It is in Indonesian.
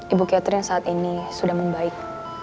ibu catering saat ini sudah membaik